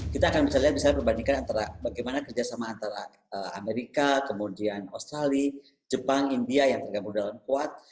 kita akan bisa lihat misalnya perbandingkan antara bagaimana kerjasama antara amerika kemudian australia jepang india yang tergabung dalam kuat